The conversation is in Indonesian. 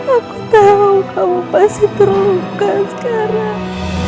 aku tahu kau pasti terluka sekarang